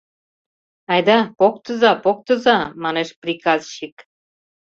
— Айда поктыза, поктыза! — манеш приказчик.